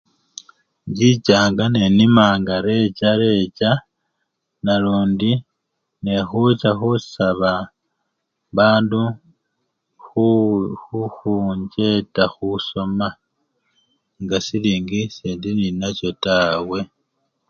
Inchichanga nenima recharecha nalundi nekhucha khusaba bandu khuuu khukhunjjeta khusoma nga silingi sendi ninacho taa.